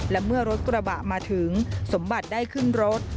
และเมื่อรถกระบะมาถึงสมบัติได้ขึ้นรถ